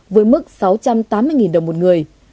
với mức sáu trăm tám mươi đồng một người